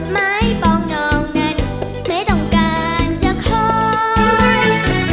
ไม้ปองนองนั้นไม่ต้องการจะคอย